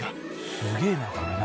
すげえなこれな。